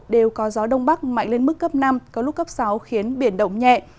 đều có gió đông bắc mạnh lên mức cấp năm có lúc cấp sáu khiến biển động nhẹ